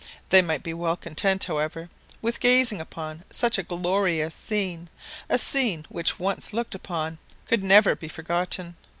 They might well be content, however, with gazing upon such a glorious scene a scene which once looked upon could never be forgotten.